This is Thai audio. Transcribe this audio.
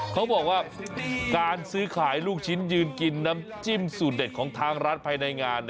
เขาบอกว่าการซื้อขายลูกชิ้นยืนกินน้ำจิ้มสูตรเด็ดของทางร้านภายในงาน